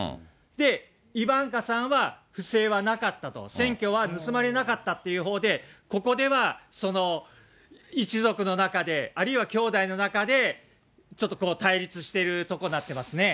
で、イバンカさんは不正はなかったと、選挙は盗まれなかったというほうで、ここではその一族の中で、あるいはきょうだいの中で、ちょっと対立しているところになってますね。